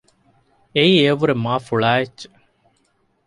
އެއީ އެޔަށްވުރެ މާ ފުޅާ އެއްޗެއް